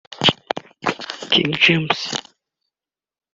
King James